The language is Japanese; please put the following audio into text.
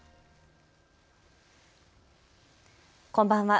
こんばんは。